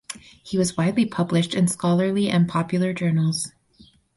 He was widely published in scholarly and popular journals.